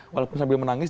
walaupun sambil menangis